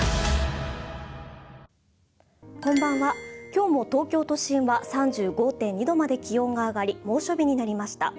今日も東京都心は３５．２度まで気温が上がり、猛暑日になりました。